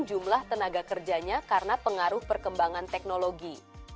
jumlah tenaga kerjanya karena pengaruh perkembangan teknologi